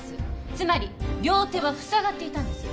つまり両手はふさがっていたんです。